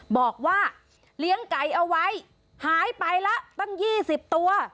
บอกว่าเลี้ยงไก่เอาไว้หายไปละตั้ง๒๐ตัว